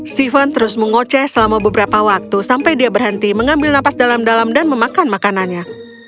steven terus mengoceh selama beberapa waktu sampai dia berhenti mengambil nafas dalam dalam dan memakan makanannya